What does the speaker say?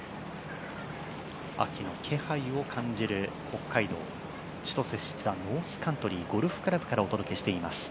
秋の気配を感じる北海道千歳市ザ・ノースカントリーゴルフクラブからお届けしています。